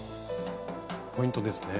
ポイントですね。